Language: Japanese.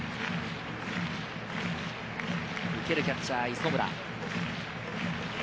受けるキャッチャー・磯村。